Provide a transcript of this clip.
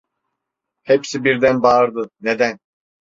Hepsi birden bağırdı: Neden?